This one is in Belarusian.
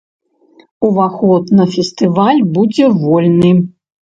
Уваход на фестываль будзе вольны.